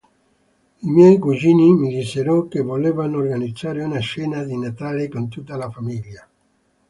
I miei cugini mi dissero che volevano organizzare una cena di Natale con tutta la famiglia.